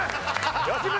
吉村！